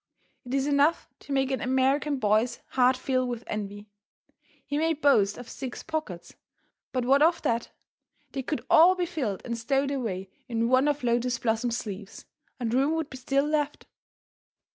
It is enough to make an American boy's heart fill with envy. He may boast of six pockets, but what of that? They could all be filled and stowed away in one of Lotus Blossom's sleeves, and room would be still left.